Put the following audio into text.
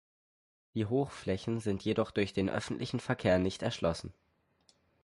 Die Hochflächen sind jedoch durch den öffentlichen Verkehr nicht erschlossen.